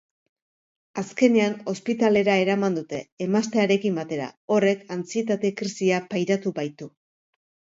Azkenean, ospitalera eraman dute, emaztearekin batera, horrek antsietate-krisia pairatu baitu.